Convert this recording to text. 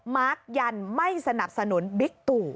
มาร์คยันไม่สนับสนุนบิ๊กตู่